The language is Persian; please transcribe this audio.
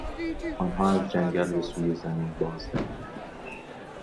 آنها از جنگل به سوی زمین باز دویدند.